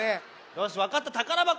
よしわかった宝箱！